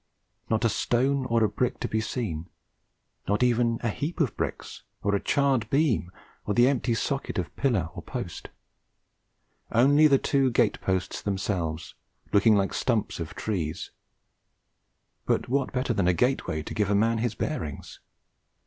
Not a stone or a brick to be seen; not even a heap of bricks, or a charred beam, or the empty socket of pillar or post; only the two gate posts themselves, looking like the stumps of trees. But what better than a gateway to give a man his bearings?